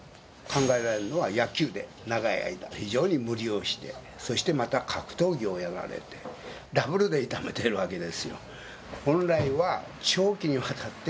考えられるのは野球で長い間非常に無理をしてそしてまた格闘技をやられてダブルで傷めてるわけですよ